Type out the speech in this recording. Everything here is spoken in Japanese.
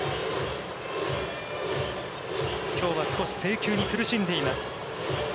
きょうは少し制球に苦しんでいます。